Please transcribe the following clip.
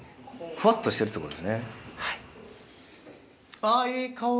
ふわっとしてるってことですね。